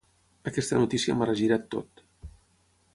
Aquesta notícia m'ha regirat tot.